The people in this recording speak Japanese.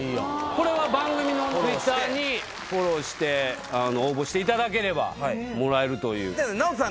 これは番組のＴｗｉｔｔｅｒにフォローして応募していただければもらえるというＮＡＯＴＯさん